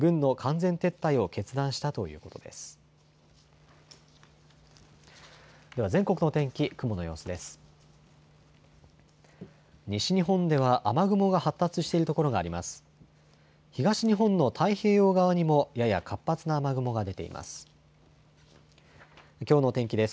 東日本の太平洋側にもやや活発な雨雲が出ています。